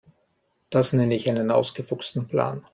Das nenne ich einen ausgefuchsten Plan.